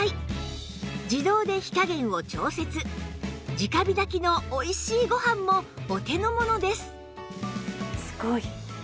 直火炊きの美味しいご飯もお手のものです